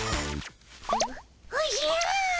おおじゃ！